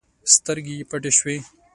سترګې يې پټې شوې.